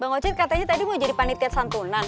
pak ngocet katanya tadi mau jadi panitia santunan